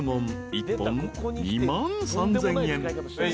１本２万３，０００円］